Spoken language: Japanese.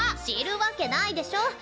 知るわけないでしょ。